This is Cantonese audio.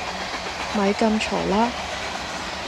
咪咁嘈啦